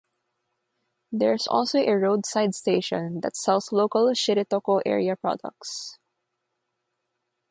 There is also a roadside station that sells local Shiretoko-area products.